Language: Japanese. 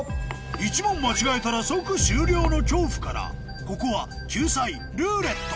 １問間違えたら即終了の恐怖からここは救済「ルーレット」